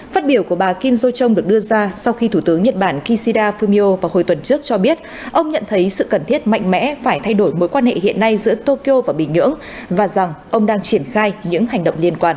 phát biểu của bà kim do chong được đưa ra sau khi thủ tướng nhật bản kishida fumio vào hồi tuần trước cho biết ông nhận thấy sự cần thiết mạnh mẽ phải thay đổi mối quan hệ hiện nay giữa tokyo và bình nhưỡng và rằng ông đang triển khai những hành động liên quan